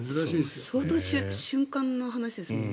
相当、瞬間の話ですもんね。